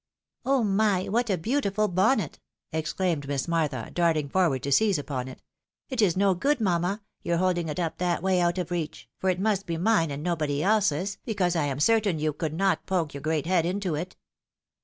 " Oh my ! what a beautiful bonnet !" exclaimed Miss Mar tha, darting forward to seize upon it. " It is no good, mamma, your holding it up that way out of reach, for it must be mine "and nobody else's, because I am certain sure you could not poke your great head into it."